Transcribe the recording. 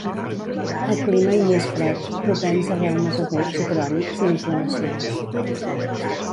El clima hi és fred, propens a reumes aguts i crònics i a inflamacions.